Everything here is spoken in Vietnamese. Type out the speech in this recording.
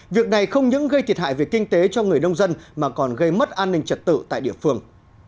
việc này không những gây thiệt hại về kinh tế cho người nông dân mà còn gây mất an ninh trật tự tại địa phương